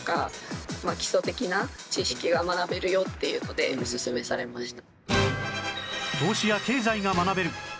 っていうのでオススメされました。